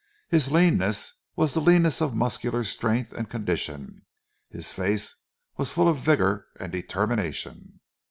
His leanness was the leanness of muscular strength and condition, his face was full of vigour and determination.